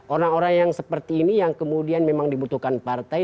orang orang yang seperti ini yang kemudian memang dibutuhkan partai